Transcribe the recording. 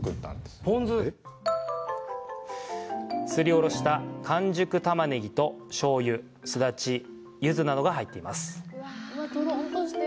すりおろした完熟たまねぎと醤油、すだち、ゆずなどが入っています。